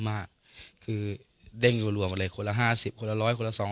มากคือเด้งรวมอะไรคนละห้าสิบคนละร้อยคนละสอง